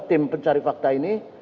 tim pencari fakta ini